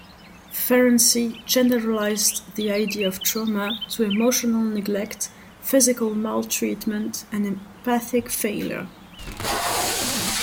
Ferenczi generalized the idea of trauma to emotional neglect, physical maltreatment, and empathic failure.